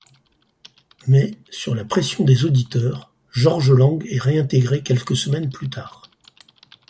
Mais, sur la pression des auditeurs, Georges Lang est réintégré quelques semaines plus tard.